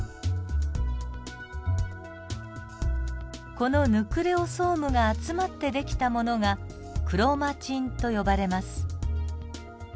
このヌクレオソームが集まって出来たものがクロマチンと呼ばれます。